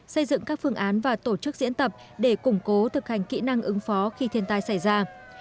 xây dựng các phương án và tổ chức diễn tập để củng cố thực hành kỹ năng ứng phó khi thiên tai xảy ra